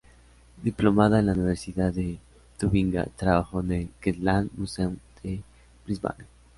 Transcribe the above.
Diplomada en la Universidad de Tubinga, trabajó en el Queensland Museum de Brisbane.